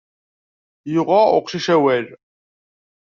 Yuɣa uqcic awal.